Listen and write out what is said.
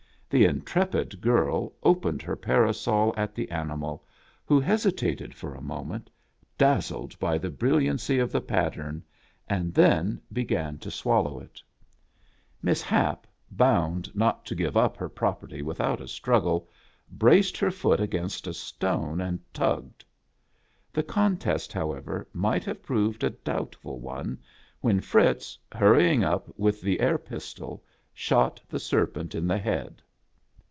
The intrepid girl opened her parasol at the animal, who hesitated for a moment, dazzled by the brilliancv of the pattern, and then began to swallow it. THE NEW SWISS FAMILY ROBINSON. w^m^^m^. MISS IIAP WITH THE ANACONDA. Miss Hap, bound not to give up her property with out a struggle, braced her foot against a stone, and tugged. The contest, however, might have proved a doubtful one, when Fritz, hurrying up with the air pistol, shot the serpent in the head.